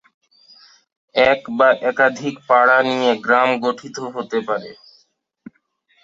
এক বা একাধিক পাড়া নিয়ে গ্রাম গঠিত হতে পারে।